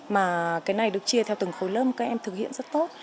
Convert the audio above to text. mà cái này được chia theo từng khối lớp các em thực hiện rất tốt